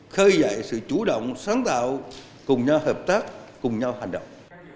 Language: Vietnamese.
khơi dậy sự chủ động sáng tạo cùng nhau hợp tác cùng nhau hành động